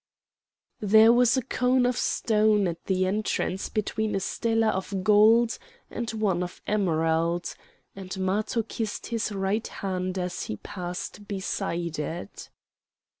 There was a cone of stone at the entrance between a stela of gold and one of emerald, and Matho kissed his right hand as he passed beside it.